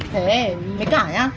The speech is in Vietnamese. thế với cả nhá